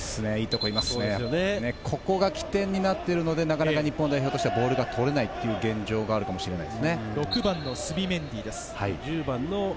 ここが起点になっているので日本代表としてはボールが取れない現状があるかもしれません。